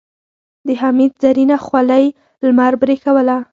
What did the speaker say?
د حميد زرينه خولۍ لمر برېښوله.